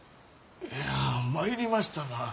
いや参りましたな。